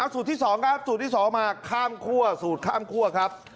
สูตรที่๒ครับสูตรที่๒มาข้ามคั่วสูตรข้ามคั่วครับ